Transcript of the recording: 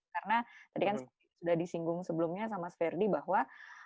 karena tadi kan sudah disinggung sebelumnya sama mas ferdi bahwa